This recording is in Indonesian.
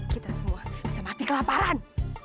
kita semua bisa mati kelaparan